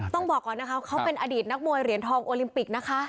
ต้องบอกก่อนนะคะเขาเป็นอดีตนักมวยเหรียญทองโอลิมปิกนะคะ